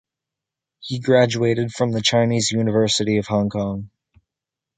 He graduated from the Chinese University of Hong Kong.